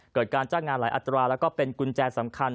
การจ้างงานหลายอัตราแล้วก็เป็นกุญแจสำคัญ